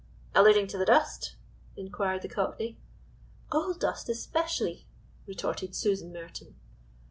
"Alluding to the dust?" inquired the Cockney. "Gold dust especially," retorted Susan Merton.